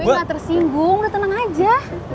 gue gak tersinggung lo tenang aja